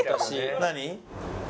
何？